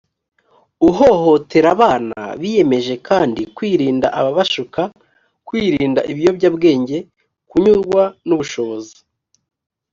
uhohotera abana biyemeje kandi kwirinda ababashuka kwirinda ibiyobyabwenge kunyurwa n ubushobozi